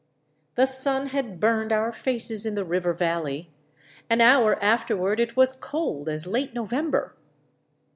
The sun had burned our faces in the river valley; an hour afterward it was cold as late November.